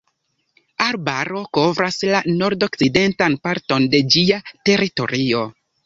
Arbaro kovras la nordokcidentan parton de ĝia teritorio.